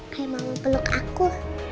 kayak mama peluk aku